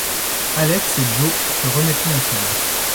Alex et Jo se remettront ensemble.